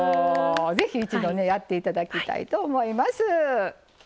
ぜひ、一度やっていただきたいと思います。